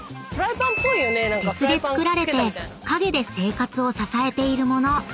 ［鉄で作られて陰で生活を支えている物］